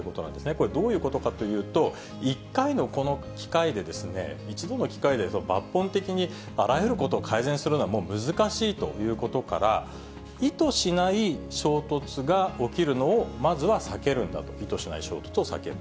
これ、どういうことかというと、１回のこの機会で、１度の機会で抜本的にあらゆることを改善するのはもう難しいということから、意図しない衝突が起きるのをまずは避けるんだと、意図しない衝突を避ける。